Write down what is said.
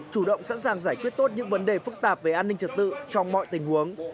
chủ động sẵn sàng giải quyết tốt những vấn đề phức tạp về an ninh trật tự trong mọi tình huống